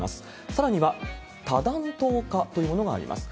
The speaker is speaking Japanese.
さらには多弾頭化というものがあります。